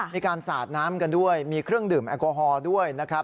มีการสาดน้ำกันด้วยมีเครื่องดื่มแอลกอฮอล์ด้วยนะครับ